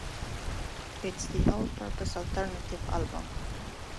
It's the all-purpose alternative album!